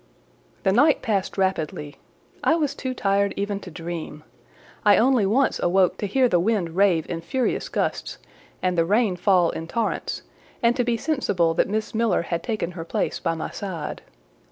The night passed rapidly: I was too tired even to dream; I only once awoke to hear the wind rave in furious gusts, and the rain fall in torrents, and to be sensible that Miss Miller had taken her place by my side.